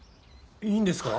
いいんですか？